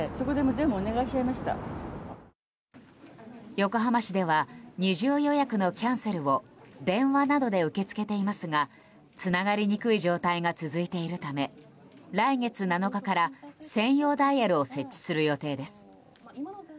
横浜市では二重予約のキャンセルを電話などで受け付けていますがつながりにくい状態が続いているため来月７日から、専用ダイヤルを設置する予定です。